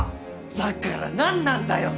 だからなんなんだよ？